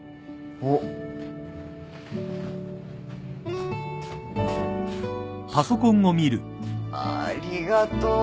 はっありがとう！